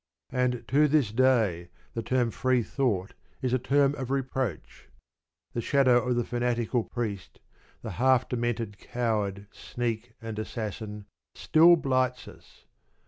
And to this day the term "free thought" is a term of reproach. The shadow of the fanatical priest, that half demented coward, sneak, and assassin, still blights us.